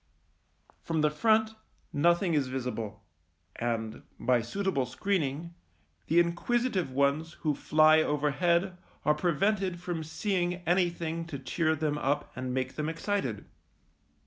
From the front nothing is visible, and, by suitable screening, the inquisitive ones who fly overhead are prevented from seeing anything to cheer them up and make them excited.